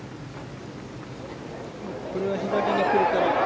これは左に来るから。